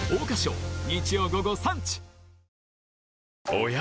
おや？